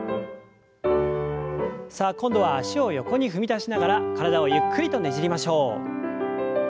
さあ今度は脚を横に踏み出しながら体をゆっくりとねじりましょう。